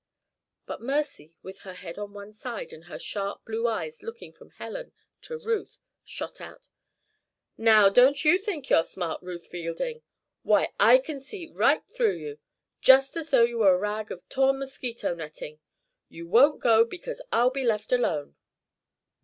But Mercy, with her head on one side and her sharp blue eyes looking from Helen to Ruth, shot out: "Now, don't you think you're smart, Ruth Fielding? Why, I can see right through you just as though you were a rag of torn mosquito netting! You won't go because I'll be left alone."